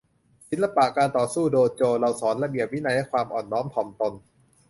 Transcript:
ศิลปะการต่อสู้โดโจ เราสอนระเบียบวินัยและความอ่อนน้อมถ่อมตน